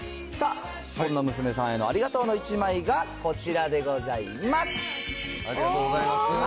さあ、そんな娘さんへのありがとうの１枚が、ありがとうございます。